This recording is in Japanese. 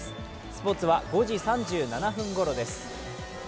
スポーツは５時３７分ごろです。